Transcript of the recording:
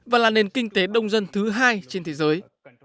và là nền kinh tế đông dân thứ hai trên thế giới